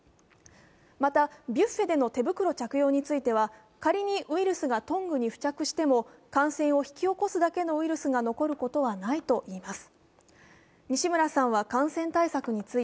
またビュッフェでのトング使用については仮にウイルスがトングに付着しても感染を引き起こすだけのウイルスが残ることはないといいます。